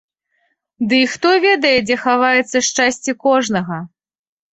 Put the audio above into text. Дый хто ведае, дзе хаваецца шчасце кожнага?